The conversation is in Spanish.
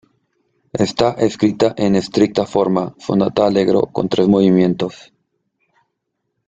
Está escrita en estricta forma sonata-allegro, con tres movimientos.